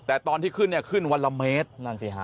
แต่ตอนที่ขึ้นเนี่ยขึ้นวันละเมตรนั่นสิฮะ